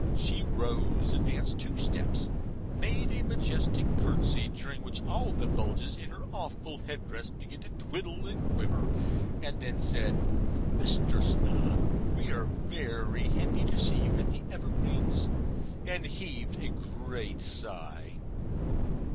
She rose, advanced two steps, made a majestic curtsey, during which all the bugles in her awful head dress began to twiddle and quiver and then said, 'Mr. Snob, we are very happy to see you at the Evergreens,' and heaved a great sigh.